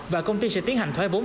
và công ty sẽ tiến hành thoái vốn